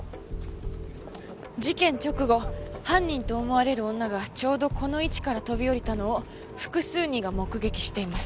事件直後犯人と思われる女がちょうどこの位置から飛び降りたのを複数人が目撃しています。